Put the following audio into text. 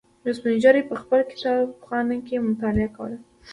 یوه سپین ږیري په خپل کتابخانه کې مطالعه کوله.